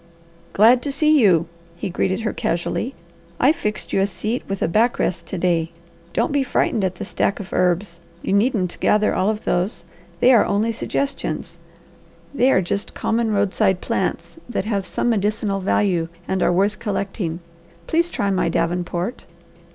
"Glad to see you!" he greeted her casually. "I've fixed you a seat with a back rest to day. Don't be frightened at the stack of herbs. You needn't gather all of those. They are only suggestions. They are just common roadside plants that have some medicinal value and are worth collecting. Please try my davenport."